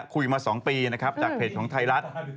คุยมา๒ปีจากเพจของไทยรัฐ